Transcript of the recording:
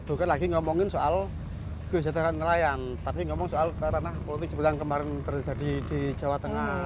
ini lagi ngomongin soal kebijakan nelayan tapi ngomongin soal karena politik sebenarnya kemarin terjadi di jawa tengah